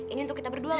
ini untuk kita berdua